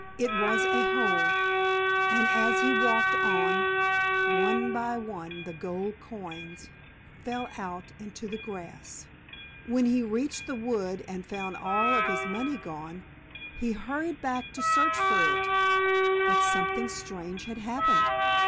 It was a hole, and, as he walked on, one by one the gold coins fell out into the grass. When he reached the wood and found all of his money gone, he hurried back to search for it, but something strange had happened.